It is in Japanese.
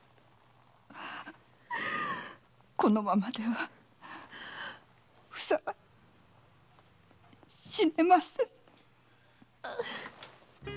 このままではふさは死ねません！